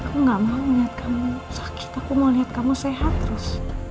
aku gak mau niat kamu sakit aku mau lihat kamu sehat terus